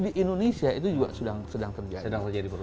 di indonesia itu juga sedang terjadi